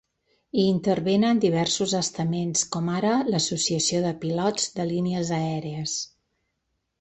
Hi intervenen diversos estaments, com ara l’associació de pilots de línies aèries.